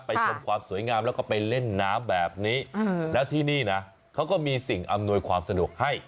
ชมความสวยงามแล้วก็ไปเล่นน้ำแบบนี้แล้วที่นี่นะเขาก็มีสิ่งอำนวยความสะดวกให้